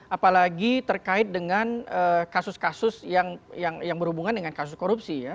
apalagi terkait dengan kasus kasus yang berhubungan dengan kasus korupsi ya